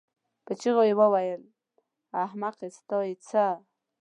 په چيغو مې وویل: احمقې ستا یې څه؟